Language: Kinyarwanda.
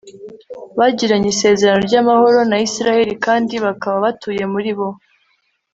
bagiranye isezerano ry'amahoro na israheli kandi bakaba batuye muri bo